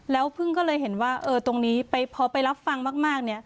แล้วพึ่งก็เลยเห็นว่าตรงนี้พอไปรับฟังมากเนี่ย